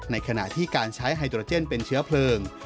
ในขณะที่การใช้ไฮโดรเจนเป็นเชื้อเพลิง